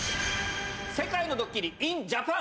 世界のドッキリｉｎジャパン。